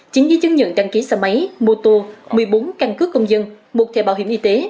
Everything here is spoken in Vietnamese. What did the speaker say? chín giấy chứng nhận đăng ký xe máy mô tô một mươi bốn căn cứ công dân một thẻ bảo hiểm y tế